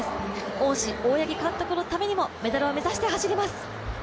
恩師・大八木監督のためにもメダルを目指して走ります。